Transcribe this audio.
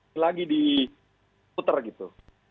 selagi di puter gitu